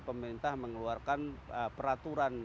pemerintah mengeluarkan peraturan